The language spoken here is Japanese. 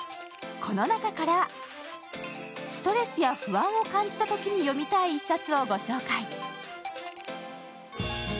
この中からストレスや不安を感じたときに読みたい一冊。